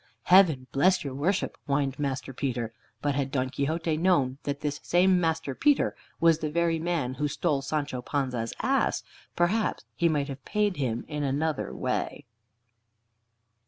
"Heaven bless your worship!" whined Master Peter. But had Don Quixote known that this same Master Peter was the very man who stole Sancho Panza's ass, perhaps he might have paid him in another way.